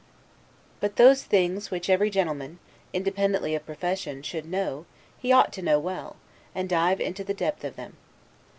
But those things which every gentleman, independently of profession, should know, he ought to know well, and dive into all the depth of them.